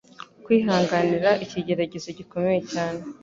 kwihanganira ikigeragezo gikomeye cyane.